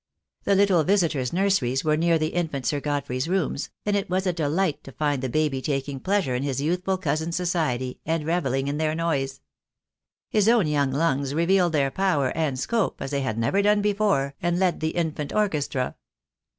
The little visitors' nurseries were near the infant Sir Godfrey's rooms, and it was a delight to find the baby taking pleasure in his youthful cousins' society, and re velling in their noise. His own young lungs revealed their power and scope as they had never done before, and led the infant orchestra.